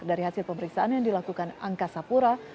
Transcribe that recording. dari hasil pemeriksaan yang dilakukan angkasa pura